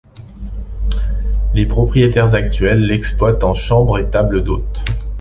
Les propriétaires actuels l'exploitent en chambres et table d’hôtes.